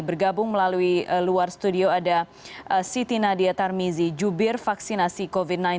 bergabung melalui luar studio ada siti nadia tarmizi jubir vaksinasi covid sembilan belas